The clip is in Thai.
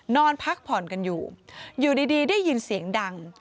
นอนพักผ่อนกันอยู่อยู่ดีได้ยินเสียงดัง